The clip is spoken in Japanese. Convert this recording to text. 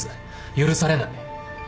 許されない。